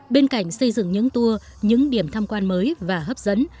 bên cạnh xây dựng những tour những điểm tham quan mới và hấp dẫn